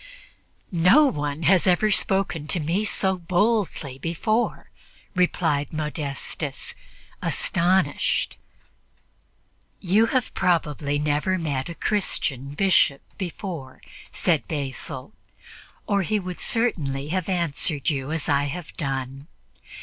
"No one has ever spoken so boldly to me before," replied Modestus, astonished. "You have probably never met a Christian Bishop before," said Basil, "or he would certainly have answered you as I have done.